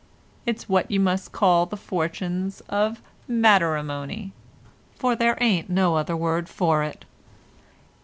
It's what you must call the fortunes of matterimony, for there ain't no other word for it."